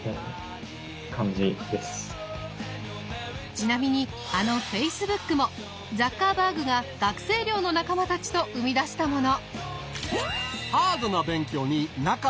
ちなみにあのフェイスブックもザッカーバーグが学生寮の仲間たちと生み出したもの。